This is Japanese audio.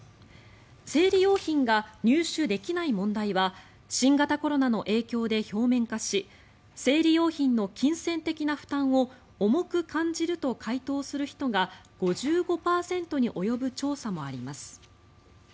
生理用品が入手できない問題は新型コロナの影響で表面化し生理用品の金銭的な負担を重く感じると回答する人が５５％に及ぶ調査もあります。